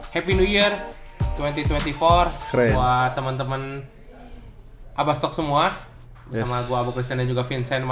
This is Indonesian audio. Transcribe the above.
happy new year dua ribu dua puluh empat buat teman teman abah stok semua bersama gue abu christian dan juga vincent